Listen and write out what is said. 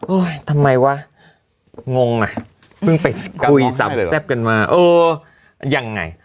ทำไมวะงงอ่ะเพิ่งไปคุยแซ่บกันมาเออยังไง